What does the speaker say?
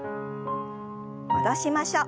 戻しましょう。